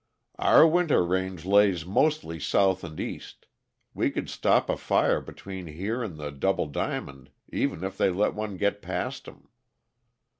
"Our winter range lays mostly south and east; we could stop a fire between here and the Double Diamond, even if they let one get past 'em."